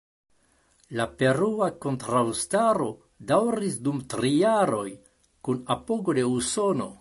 La perua kontraŭstaro daŭris dum tri jaroj, kun apogo de Usono.